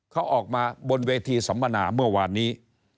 เขาออกมาบนเวทีสัมมนาเมื่อวานนี้